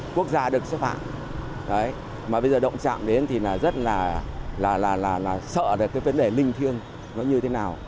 quốc gia được xếp hạng mà bây giờ động chạm đến thì rất là sợ về cái vấn đề linh thiêng nó như thế nào